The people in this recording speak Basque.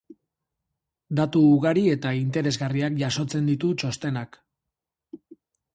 Datu ugari eta interesgarriak jasotzen ditu txostenak.